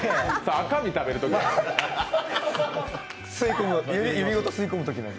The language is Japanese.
赤身食べるときのや。